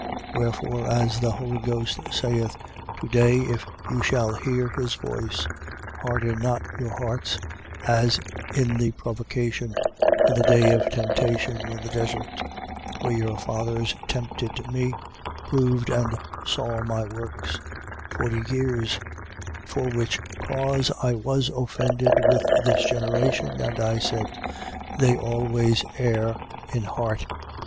3:7. Wherefore, as the Holy Ghost saith: To day if you shall hear his voice, 3:8. Harden not your hearts, as in the provocation, in the day of temptation in the desert, 3:9. Where your fathers tempted me, proved and saw my works, 3:10. Forty years: for which cause I was offended with this generation, and I said: They always err in heart.